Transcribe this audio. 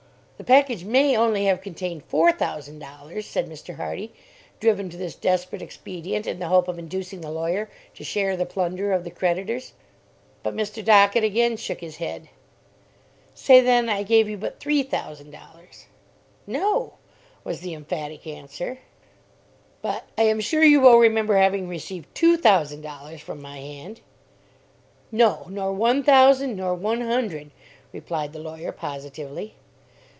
"The package may only have contained four thousand dollars," said Mr. Hardy, driven to this desperate expedient in the hope of inducing the lawyer to share the plunder of the creditors. But Mr. Dockett again shook his head. "Say, then, I gave you but three thousand dollars." "No," was the emphatic answer. "But I am sure you will remember having received two thousand dollars from my hand." "No, nor one thousand, nor one hundred," replied the lawyer positively.